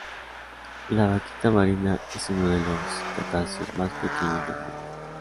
La vaquita marina es uno de los cetáceos más pequeños del mundo.